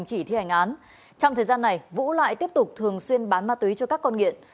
các đối tượng lại tiếp tục thường xuyên bán ma túy cho các con nghiện